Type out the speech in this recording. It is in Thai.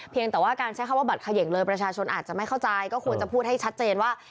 แต่ว่าการใช้คำว่าบัตรเขย่งเลยประชาชนอาจจะไม่เข้าใจก็ควรจะพูดให้ชัดเจนว่า